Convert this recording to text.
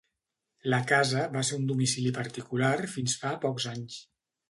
La casa va ser un domicili particular fins fa pocs anys.